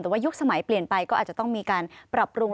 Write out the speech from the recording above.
แต่ว่ายุคสมัยเปลี่ยนไปก็อาจจะต้องมีการปรับปรุง